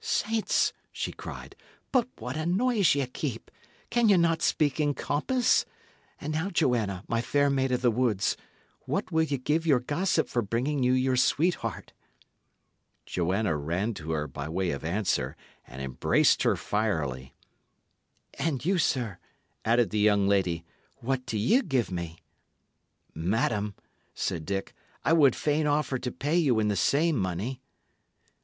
"Saints!" she cried, "but what a noise ye keep! Can ye not speak in compass? And now, Joanna, my fair maid of the woods, what will ye give your gossip for bringing you your sweetheart?" Joanna ran to her, by way of answer, and embraced her fierily. "And you, sir," added the young lady, "what do ye give me?" "Madam," said Dick, "I would fain offer to pay you in the same money."